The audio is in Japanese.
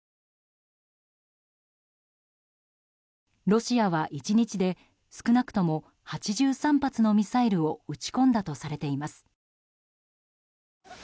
ロシアは、１日で少なくとも８３発のミサイルを撃ち込んだとされています。